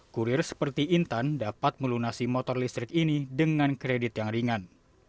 kurir seperti intan dapat melunasi motor listrik ini dengan kredit yang ringan